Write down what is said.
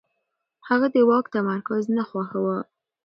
هغه د واک تمرکز نه خوښاوه.